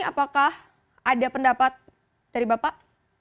apakah ada pendapat dari bapak